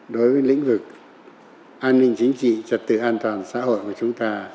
đối với lĩnh vực an ninh chính trị trật tự an toàn xã hội của chúng ta